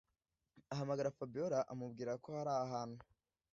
ahamagara Fabiora amubwira ko hari ahantu